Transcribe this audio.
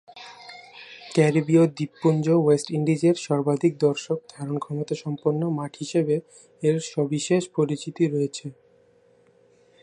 ক্যারিবিয় দ্বীপপুঞ্জ ওয়েস্ট ইন্ডিজের সর্বাধিক দর্শক ধারণ ক্ষমতাসম্পন্ন মাঠ হিসেবে এর সবিশেষ পরিচিতি রয়েছে।